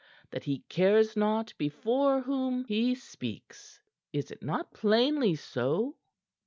that he cares not before whom he speaks. Is it not plainly so?"